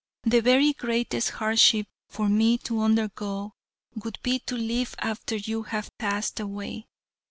The very greatest hardship for me to undergo would be to live after you have passed away.